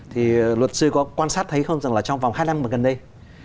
thì luật sư có quan sát thấy không rằng là trong vòng hai năm gần đây